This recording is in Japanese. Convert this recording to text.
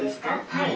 はい。